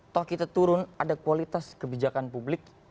toh kita turun ada kualitas kebijakan publik